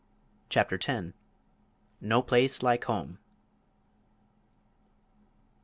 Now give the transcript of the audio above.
CHAPTER X NO PLACE LIKE HOME!